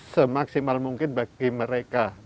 semaksimal mungkin bagi mereka